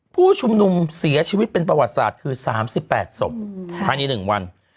ผู้ชุมนุมเสียชีวิตเป็นประวัติศาสตร์คือ๓๘ศพภายใน๑วัน